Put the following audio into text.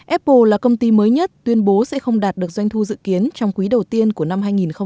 apple là công ty mới nhất tuyên bố sẽ không đạt được doanh thu dự kiến trong quý đầu tiên của năm hai nghìn hai mươi